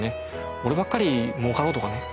俺ばっかり儲かろうとかね